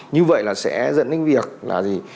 như vậy là sẽ dẫn đến việc là gì